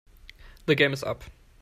The game is up